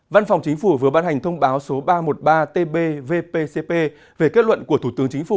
văn phòng chính phủ vừa ban hành thông báo số ba trăm một mươi ba tb vpcp về kết luận của thủ tướng chính phủ